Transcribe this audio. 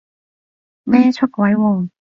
咩出軌喎？